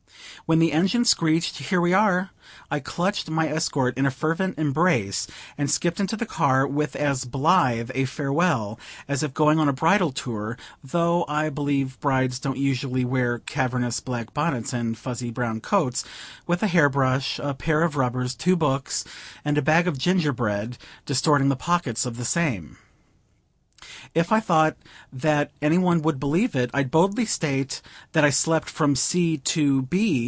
When the engine screeched "Here we are," I clutched my escort in a fervent embrace, and skipped into the car with as blithe a farewell as if going on a bridal tour though I believe brides don't usually wear cavernous black bonnets and fuzzy brown coats, with a hair brush, a pair of rubbers, two books, and a bag of ginger bread distorting the pockets of the same. If I thought that any one would believe it, I'd boldly state that I slept from C. to B.